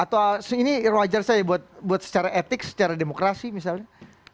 atau ini wajar saya buat secara etik secara demokrasi misalnya